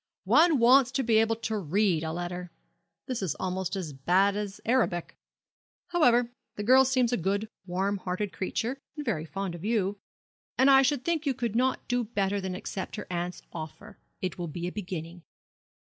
One wants to be able to read a letter. This is almost as bad as Arabic. However, the girl seems a good, warm hearted creature, and very fond of you; and I should think you could not do better than accept her aunt's offer. It will be a beginning.'